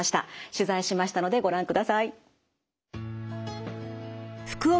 取材しましたのでご覧ください。